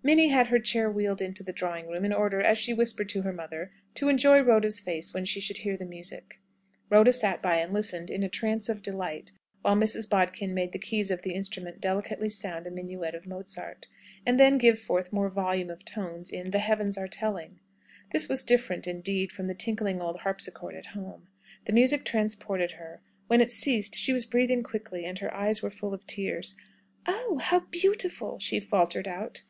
Minnie had her chair wheeled into the drawing room, in order, as she whispered to her mother, to enjoy Rhoda's face when she should hear the music. Rhoda sat by and listened, in a trance of delight, while Mrs. Bodkin made the keys of the instrument delicately sound a minuet of Mozart, and then give forth more volume of tone in "The Heavens are telling." This was different, indeed, from the tinkling old harpsichord at home! The music transported her. When it ceased she was breathing quickly, and her eyes were full of tears. "Oh, how beautiful!" she faltered out.